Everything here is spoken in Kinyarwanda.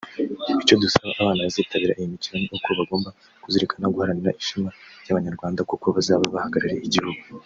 Icyo dusaba abana bazitabira iyi mikino ni uko bagomba kuzirikana guharanira ishema ry’abanyarwanda kuko bazaba bahagarariye igihugu